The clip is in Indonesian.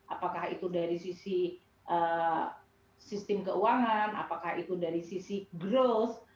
apakah itu dari sisi sistem keuangan apakah itu dari sisi growth